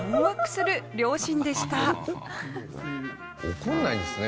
怒らないんですね